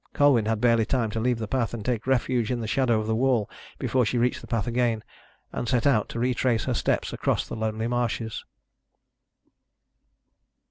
Colwyn had barely time to leave the path, and take refuge in the shadow of the wall, before she reached the path again and set out to retrace her steps across the lonely marshes.